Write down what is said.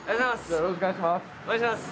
よろしくお願いします。